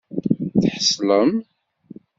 Tḥeṣlem?